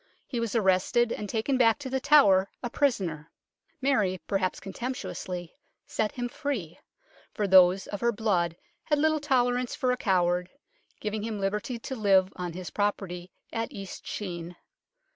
He was arrested and taken back to The Tower a prisoner. Mary, perhaps contemptuously, set him free, for those of her blood had little tolerance for a coward, giving him liberty to live on his property at East Sheen.